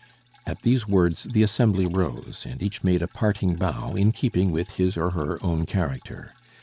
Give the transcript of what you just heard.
At these words the assembly rose, and each made a parting bow in keeping with his or her own character.